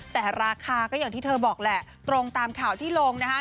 แต่ราคาก็อย่างที่เธอบอกแหละตรงตามข่าวที่ลงนะคะ